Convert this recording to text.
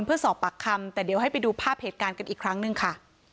เพื่อสอบปากคำแต่เดี๋ยวให้ไปดูภาพเหตุการณ์กันอีกครั้งหนึ่งค่ะ